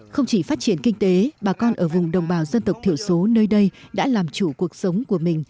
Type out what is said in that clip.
không chỉ phát triển kinh tế bà con ở vùng đồng bào dân tộc thiểu số nơi đây đã làm chủ cuộc sống của mình